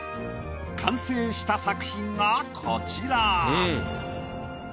完成した作品がこちら。